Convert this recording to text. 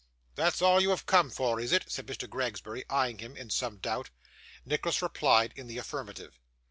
'That's all you have come for, is it?' said Mr. Gregsbury, eyeing him in some doubt. Nicholas replied in the affirmative.